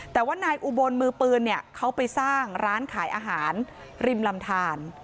แต่ว่านายอุบลมือปืนเนี่ยเขาไปสร้างร้านขายอาหารริมลำทาน